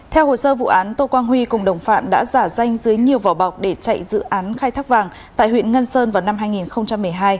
theo hồ sơ vụ án tô quang huy cùng đồng phạm đã giả danh dưới nhiều vỏ bọc để chạy dự án khai thác vàng tại huyện ngân sơn vào năm hai nghìn một mươi hai